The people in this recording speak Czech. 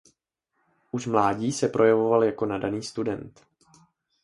Už mládí se projevoval jako nadaný student.